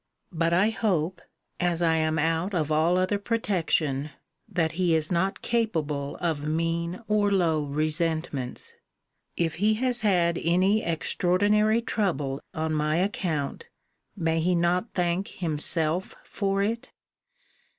But I hope, as I am out of all other protection, that he is not capable of mean or low resentments. If he has had any extraordinary trouble on my account, may he not thank himself for it?